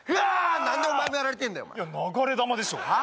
何でお前もやられてんだよいや流れ弾でしょ